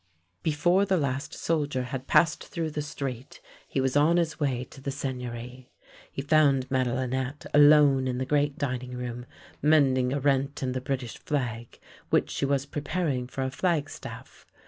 Before the last soldier had passed through the street, he was on his way to the Seigneury. He found Madelinette alone in the great dining room, mending a rent in the British flag, which she was preparing for a flag staff.